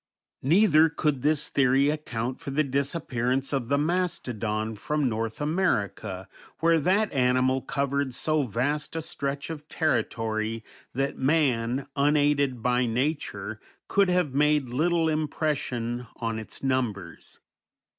Neither could this theory account for the disappearance of the mastodon from North America, where that animal covered so vast a stretch of territory that man, unaided by nature, could have made little impression on its numbers.